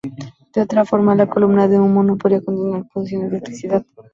De otra forma la columna de humo no podría continuar produciendo electricidad.